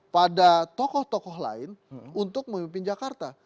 pada tokoh tokoh lain untuk memimpin jakarta